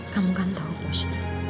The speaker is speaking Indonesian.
kamu kan tahu push